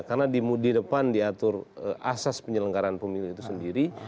karena di depan diatur asas penyelenggaraan pemilu itu sendiri